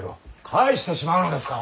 帰してしまうのですか。